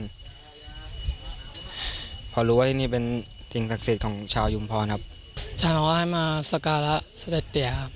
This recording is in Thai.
พอรู้ว่าที่นี่เป็นสิ่งศักดิ์สิทธิ์ของชาวชุมพรครับชาวบ้านให้มาสการะเสด็จเตียครับ